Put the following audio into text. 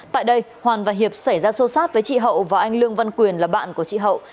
tại đây hoàn và hiệp xảy ra xô xát với chị hậu và anh lương văn quyền là bạn của chị hậu